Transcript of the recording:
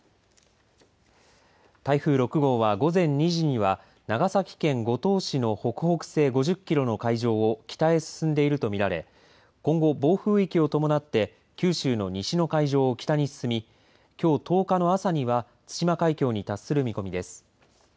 台風６号は午前２時には長崎県五島市の北北西５０キロの海上を北へ進んでいると見られ今後、暴風域を伴って九州の西の海上を北に進みきょう１０日の朝には対馬海峡に達する見込みです。